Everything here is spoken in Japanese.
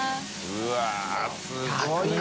うわぁすごいな！